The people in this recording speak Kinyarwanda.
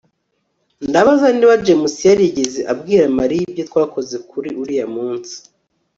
ndabaza niba james yarigeze abwira mariya ibyo twakoze kuri uriya munsi